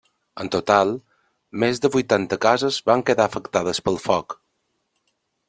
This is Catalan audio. En total, més de vuitanta cases van quedar afectades pel foc.